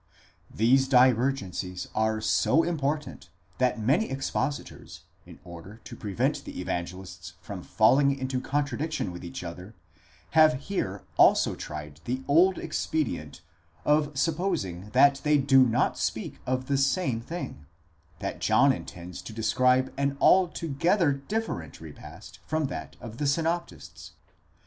These divergencies are so important, that many expositors, in order to pre vent the Evangelists from falling into contradiction with each other, have here also tried the old expedient of supposing that they do not speak of the same thing—that John intends to describe an altogether different repast from — LAST SUPPER WITH THE DISCIPLES. 615 that of the synoptists.